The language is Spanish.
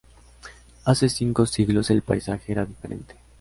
Hace cinco siglos el paisaje era diferente.